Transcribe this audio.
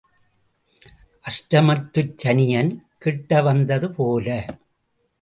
அஷ்டமத்துச் சனியன் கிட்ட வந்தது போல.